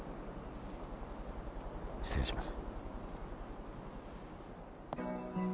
失礼します。